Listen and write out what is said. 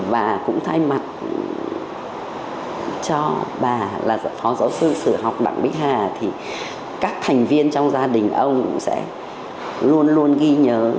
và cũng thay mặt cho bà là phó giáo sư sử học đảng bích hà thì các thành viên trong gia đình ông sẽ luôn luôn ghi nhớ